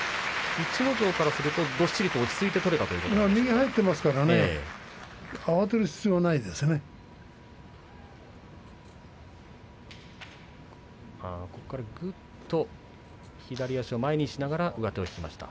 逸ノ城からするとどっしりと落ち着いて右が入っていますからここからぐっと左足を前にしながら左を引きました。